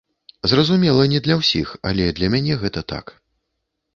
Зразумела, не для ўсіх, але для мяне гэта так.